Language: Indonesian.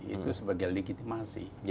itu sebagai legitimasi